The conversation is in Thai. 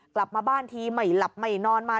กลับมาบ้านทีไม่หลับไม่นอนมา